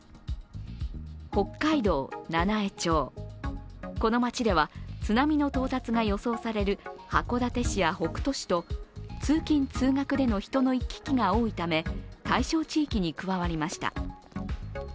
北海道七飯町、この町では津波の到達が予想される函館市や北斗市と通勤・通学での人の行き来が多いため対象地域に加わりました。